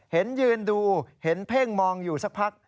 ยืนดูเห็นเพ่งมองอยู่สักพัก